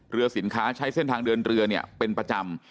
เรือสินค้าใช้เส้นทางเดินเรือเนี่ยเป็นประจำ